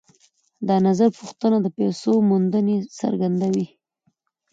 دا نظرپوښتنه د پیسو موندنې څرګندوي